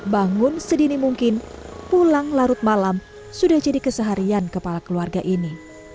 bangun sedini mungkin pulang larut malam sudah jadi keseharian kepala keluarga ini